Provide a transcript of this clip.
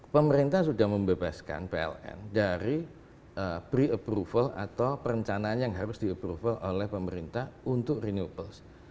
pemerintah sudah membebaskan pln dari pre approval atau perencanaan yang harus di approval oleh pemerintah untuk renewables